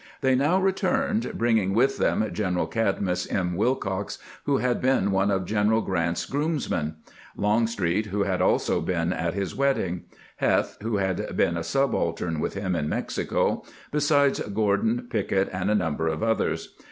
They now returned, bringing with them General Cadmus M. Wil cox, who had been one of General Grant's groomsmen; 492 CAMPAIGNING WITH GBANT Longstreet, who had also been at his wedding; Heth, who had been a subaltern with him in Mexico, besides Grordon, Pickett, and a number of others.